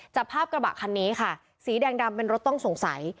จับภาพกระบะคันนี้ค่ะสีแดงดำเป็นรถต้องสงสัย